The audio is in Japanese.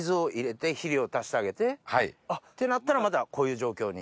ってなったらまたこういう状況に？